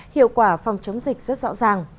hiệu quả phòng chống dịch rất rõ ràng